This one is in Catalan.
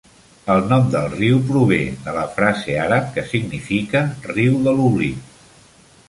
El nom del riu prové de la frase àrab que significa "riu de l'oblit".